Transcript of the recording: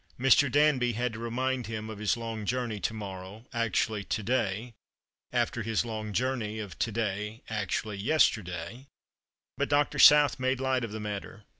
Mr. Danby had to remind him of his long jom ney to morrow— actually to day — after his long journey of to day — actually yesterday; but Dr. South made light of the matter.